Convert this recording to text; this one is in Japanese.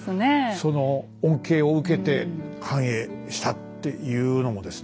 その恩恵を受けて繁栄したっていうのもですね